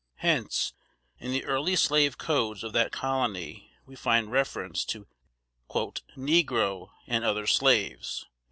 Hence in the early slave codes of that colony we find reference to "negro and other slaves."